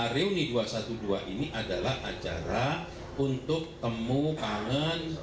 reuni dua ratus dua belas ini adalah acara untuk temu kangen